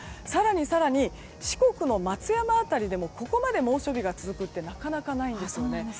更に、四国の松山辺りでもここまで猛暑日が続くってなかなかないんですよね。